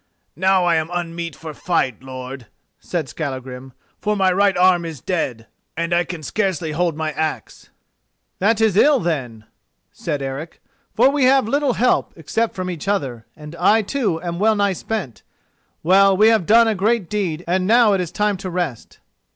"Now I am unmeet for fight, lord," said Skallagrim, "for my right arm is dead and I can scarcely hold my axe." "That is ill, then," said Eric, "for we have little help, except from each other, and I, too, am well nigh spent. Well, we have done a great deed and now it is time to rest."